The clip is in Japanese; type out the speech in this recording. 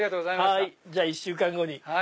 じゃあ１週間後に。